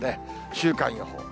週間予報。